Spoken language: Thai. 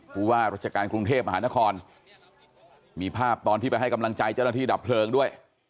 ผู้ว่าราชการกรุงเทพมหานครมีภาพตอนที่ไปให้กำลังใจเจ้าหน้าที่ดับเพลิงด้วย